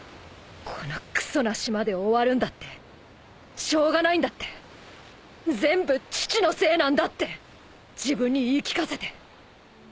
このクソな島で終わるんだってしょうがないんだって全部父のせいなんだって自分に言い聞かせて。